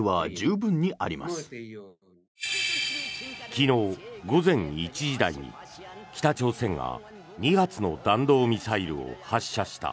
昨日午前１時台に、北朝鮮が２発の弾道ミサイルを発射した。